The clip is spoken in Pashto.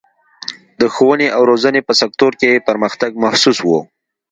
د ښوونې او روزنې په سکتور کې پرمختګ محسوس و.